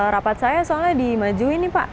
rapat saya soalnya dimajuin nih pak